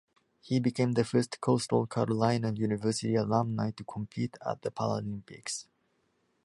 He became the first Coastal Carolina University alumni to compete at the Paralympics.